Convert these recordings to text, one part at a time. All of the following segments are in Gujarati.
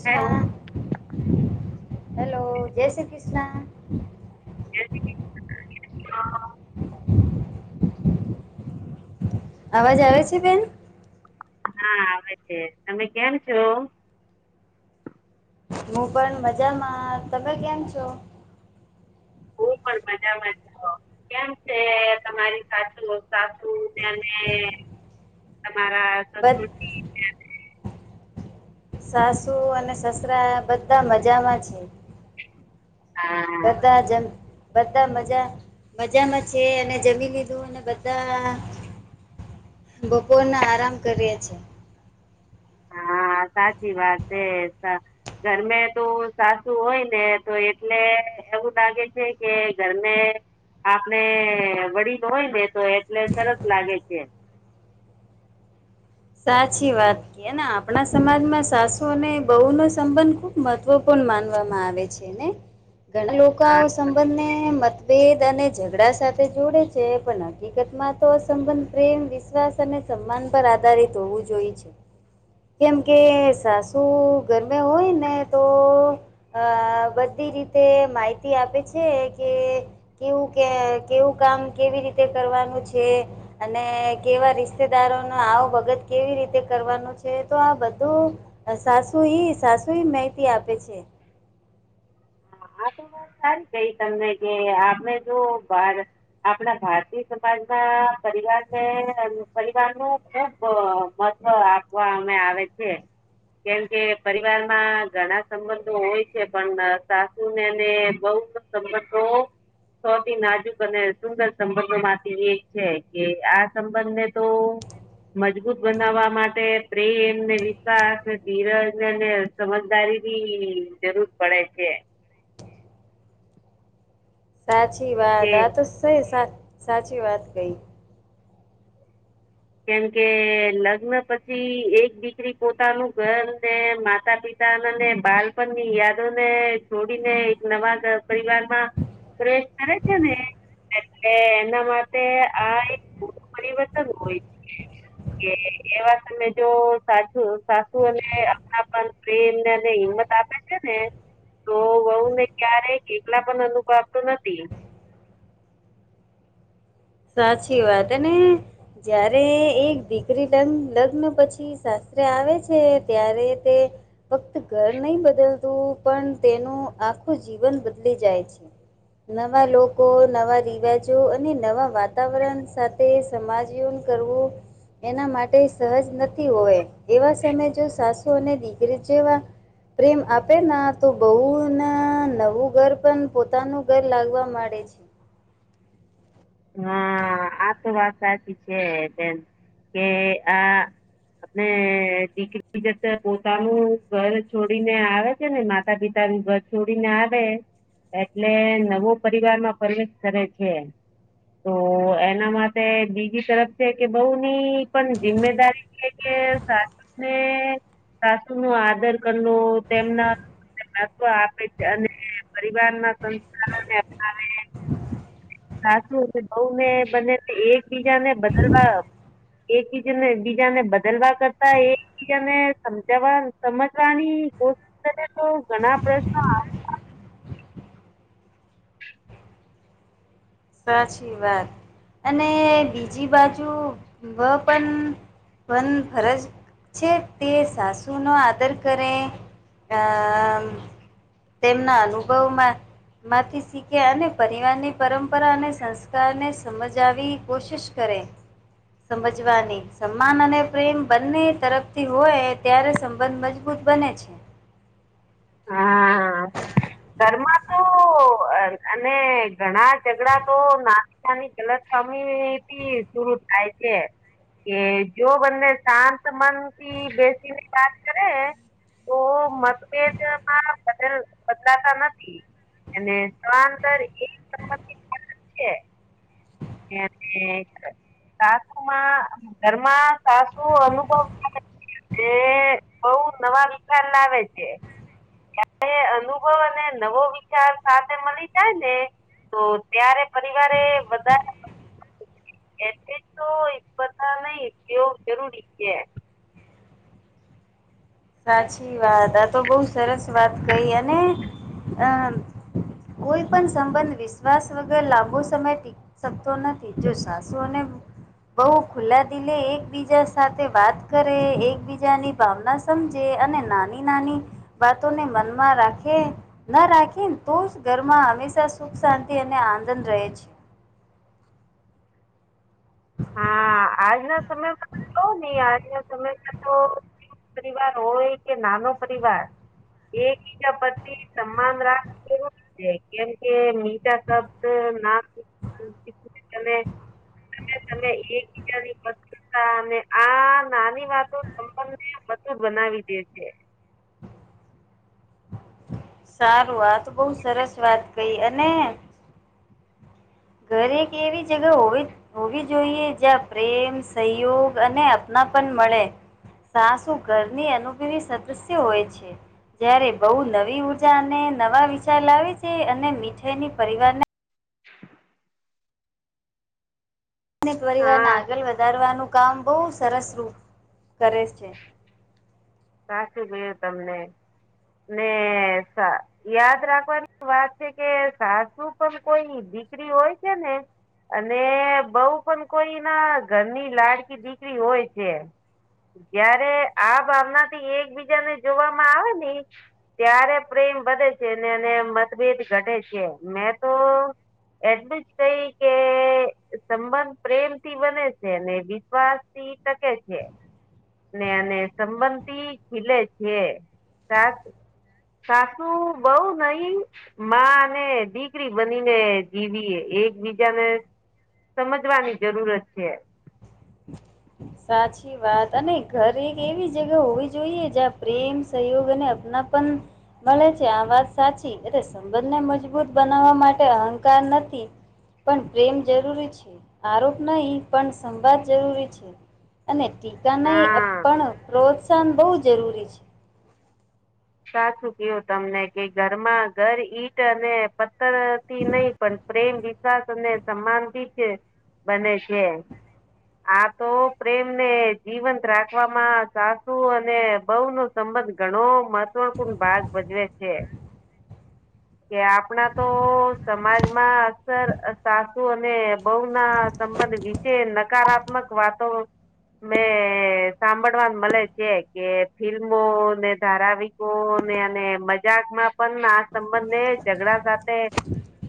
ષ્ હેલો હેલો જય શ્રી કૃષ્ણ [inaudible] અવાજ આવે છે બેન? હા આવે છે તમે કેમ છો? હું પણ મજામાં તમે કેમ છો? હું પણ મજામાં. કેમ છે? તમારી સાચું સાસું તેને. તમારા. બદ સાસુ અને સસરા બધા મજામાં છે. હા બધા જમ બધા મજા મજામાં છે. અને જમી લીધું અને બધા બપોરના આરામ કરીએ છે. હા સાચી વાત છે ઘરમે તો સાસુ હોય ને તો એટલે એવું લાગે છે કે ઘરમે આપણે વડીલ હોય ને તો એટલે સરસ લાગે છે સાચી વાત કેને આપણા સમાજમાં સાસુ અને બહુ નો સંબંધ ખુબ મહત્વપૂર્ણ માનવામાં આવે છે ને ઘણા લોકો હા સંબંધને મત વેદ અને ઝઘડા સાથે જોડે છે પણ હકીકત માં તો અસંબંધ પ્રેમ વિશ્વાસ અને સન્માન પર આધારિત હોવું જોઈએ છે કેમ કે સાસુ ગરમે હોય ને તો અ બધી રીતે માહિતી આપે છે કે કેવું કે કેવું કામ કેવી રીતે કરવાનું છે અને કેવા રિશ્તેદારો ન આવો ભગત કેવી રીતે કરવાનું છે તો આ બધું સાસુ સાસુ માહિતી આપે છે આ તો વાત સારી કઈ તમને કે આપણે જો બાર આપણા ભારતીય સમાજ ના પરિવારને પરિવાર નું ખુબ તો આપવા અમે આવે છે કેમ કે પરિવારમાં ઘણા સંબંધો હોય છે પણ ને બઉ સમ સૌથી નાજુક અને સુંદર સંબંધો માંથી એક છે કે આ સંબંધને તો. મજબૂત બનાવવા માટે પ્રેમ ને વિકાસ ધીરજને સમજદારીની જરૂર પડે છે સાચી વાત કે આ તો સઈ સા સાચી વાત કઈ કેમકે લગ્ન પછી એક દીકરી પોતાનું ઘર ને માતા પિતા. અને બાળપણ ની યાદો ને છોડીને એક નવા પરિવારમાં પ્રેશ કરે છે ને. એટલે એના માટે આ એક ખું પરિવર્તન હોય છે. કે એવા તય જો સાસ સાસુને આપણાપ પ્રેમને હિંમત આપે. ને તો વહુને ક્યારે કેટલા પણ અનુભવ આપતો નથી. સાચી વાત અને. જયારે એક દીકરી લગ્ન પછી શાસ્ત્ર આવે છે ત્યારે તે ફક્ત ઘર નહી બદલતું પણ તેનું આખું જીવન બદલી જાય છે. નવા લોકો નવા રિવાજો અને નવા વાતાવરણ સાથે સમાજ યુન કરવું. એના માટે સહજ નથી હોય એવા સમય જો સાસુ અને દીકરી જેવા. પ્રેમ આપે ના તો બહુને નવું ઘર પણ પોતાનું ઘર લાગવા માંડે છે. હા આ તો વાત સાચી છે તેમ કે આ. અને દીકરી જતે પોતાનું ઘર છોડીને આવે છે ને માતા પિતાનું ઘર છોડીને આવે એટલે નવો પરિવાર માં પ્રવેશ કરે છે. તો એના માટે બીજી તરફ છે કે બઉુની પણ જિમ્દારી કે સાસુને સાસુ નો આદર કરવ તેમના ત્ આપે છે અને પરિવાર ના સંસ્થને સાચું બઉ ને બને એકબીજા ને બદલવા એકબીજને બીજા ને બદલવા કરતા એ સમજવા સમજવાની કોશિશ કરે તો ઘણા પ્રશ્નો સાચી વાત. અને બીજી બાજુ વ પણ મન ફરજ છે તે સાસુનો આદર કરે. તેમના અનુભવમાં માંથી શીખ્યા અને પરિવારની પરમ પરપરા અને સંસ્કારને સમજાવી કોશિશ કરે. સમજવાની સમાન અને પ્રેમ બંને તરફથી હોય ત્યારે સંબંધ. મજબૂત બને છે. હા ઘરમાં તો. અને ઘણા ઝઘડા તો નાની નાની ગલત પામી. શરુ થાય છે. કે જો બને શાંત મન થી બેસીને વાત કરે. તો મતભેદ. બદલાતા નથી અને સાળ કરી. ને અને. સાસુમાં ઘરમાં સાસુ અનુભવ એ બઉ નવા વિકાર લાવે છે. એ અનુભવ અને નવો વિચાર સાથે મળી જાય ને. તો ત્યારે પરિવારે બધા. એ તો બધા નહી એવ જરૂરી છે. સાચી વાત આ તો બહુ સરસ વાત કઈ અને અ કોઈ પણ સંબંધ વિશ્વાસ વગર લાંબો સમય. શકતો નથી જો સાસુઓ ને. બઉુ ખુલ્લા દિલે એકબીજા સાથે વાત કરે એકબીજાની ભાવના સમજે અને નાની નાની વાતોને મનમાં રાખે. ના રાખીને તો જ ઘરમાં હંમેશા સુખ શાંતિ અને આનંદ રહે છે. હા આજના સમયમાં તો બી આજના સમયમાં તો. સંયુક્ત પરિવાર હોય કે નાનો પરિવાર. એકબીજા પતિ સમાન રાખવુ. એ કેમ કે મીઠા શબ્દ ના અને તમે એકબીજાની અને આ નાની વાતો સં એ બધું બનાવી દે છે. સારું આ તો બહ સરસ વાત કઈ અને ઘરે કે એવી જગ હોવી. હોવી જોઈએ જ્યાં પ્રેમ સહયોગ અને અપના પણ મળે. સાસુ ઘરની અનુભવી સદસ્ય હોય છે. જયારે બહુ નવી ઉર્જા અને નવા વિચાર લાવે છે અને મીઠાઈની પરિવારને [unintelligible] અને પરિવારને હા આગળ વધારવાનું કામ બહુ સરસ રૂપ કરે છે. સાચુ ગયેલી તમને ને યાદ રાખવાની વાત છે કે સાસુ પણ કોઈ દીકરી હોય છે ને. અને બઉ પણ કોઈ ના ઘરની લાડકી દીકરી હોય છે. જયારે આ ભાવનાથી એકબીજા ને જોવામાં આવે ને. ત્યારે પ્રેમ વધે છે ને અને મતભેદ ઘટે છે મેં તો. એટલું જ કઈ કે સંબંધ પ્રેમ થી બને છે વિશ્વાસથી. ઇ ટકે છે ને અને સંબંધ. ખીલે છે સાસ સાસુ બઉ નહી. મા અને દીકરી બનીને જીવીએ એકબીજાને. સમજવાની જરૂરત છે. સાચ. વાત અને ઘર એક એવી જગ્યા હોવી જોઈએ જ્યાં પ્રેમ સહયોગ અને અપનાપન મળે છે આ વાત સાચી એટલે સંબંધમા મજબૂત બનાવવા માટે અહંકાર નથી પણ પ્રેમ જરૂરી છે આરોપ નહીં પણ સંવાદ જરૂરી છે. અને ટીકા નઈ હા પણ પ્રોત્સાહન બહુ જરૂરી છે. સાચું કયું તમને કે ઘરમાં ઘર ઈટ અને પથ્થરથી નહીં પણ પ્રેમ વિશ્વાસ અને સન્માનથી જ બને છે. આ તો પ્રેમને જીવંત રાખવામાં સાસુ અને બઉ નું. સંબંધ ઘણો મહત્વપૂર્ણ ભાગ ભજવે છે. કે આપણા તો સમાજમાં અકસર સાસુ અને બહુ ના સંબંધ. વિશે નકારાત્મક વાતો. મે સાંભળવાં મળે છે કે ફિલ્મોને ધારાવિક કો ને અને મજાકમાં પણ આ સંબંધને ઝઘડા સાથે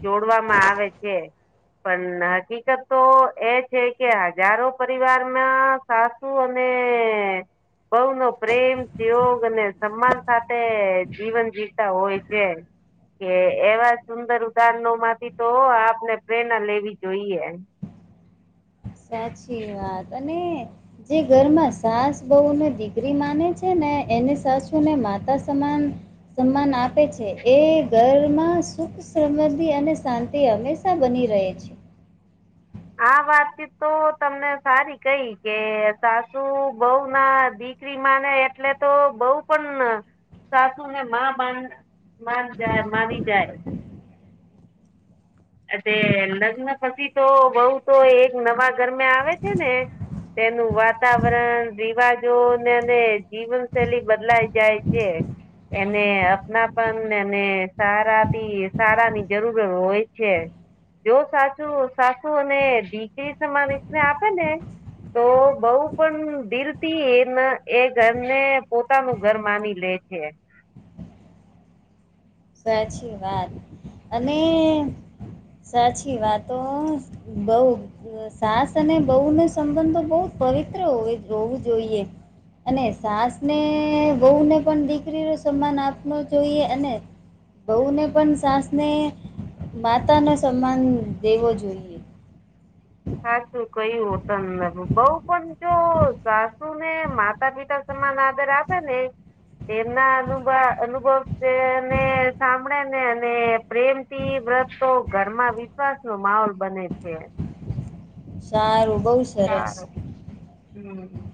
જોડવામાં આવે છે. પણ હકીકત તો એ છે કે હજારો પરિવારમાં સાસુ અને બ‌ઉ નો પ્રેમ યોગ અને સન્માન. સાથે જીવન જીવતા હોય છે. કે એવા સુંદર ઉદાહરણો માંથી તો આપને પ્રેરણા લેવી જોઈએ. સાચી વાત અને. જે ઘરમાં સાસ બહુને દીકરી માને છે ને એને સાસુને માતા સમાન. સન્માન આપે છે એ ઘરમાં સુખ. સુ સમ્ધિ અને શાંતિ હંમેશા બની રહે છે. આ વાતચીત તો તમને સારી કઈ કે સાસુ બઉ ના દીક. દિકરી માને એટલે તો બઉ પણ સાસુ ને માં માન. મારી જાય મારી જાય તે લગ્ન પછી તો બહું તો એક નવા ઘરમે આવે છે ને તેનું વાતાવરણ રિવાજો ને જીવનશૈલી બદલાય જાય છે. એને અપનાપન અને સારાથી સારા ની જરૂર હોય. છે જો સાસું સાસુને દીકરી સમાન આ રીત ના આપે ને. તો બઉ પણ દિલથી એના એ ઘર ને પો. પોતા નું ઘર માની લે છે. સાચી વાત અને. સાચી વાતો બઉ. સાસ અને બહુને સંબંધો બહુ જ પવિત્ર હો હોવું જોઈએ. અને સાસને બહુને પણ દીકરીનો સન્માન આપવુ જોઈએ અને બહું ને પણ સાસને માતા નો સન્માન દેવો જોઈએ. સાચું કયું હોતન બઉ પણ જો સાસુ ને માતા પિતા સમાન આદર આપે ને એના અનુ અનુભવને સાંભળે ને અને પ્રેમ થી વ્રત તો ઘરમાં વિશ્વાસ નો માહોલ બને છે. સારું બઉ સારું હમ્મ